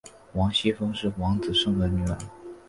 王熙凤是王子胜的女儿。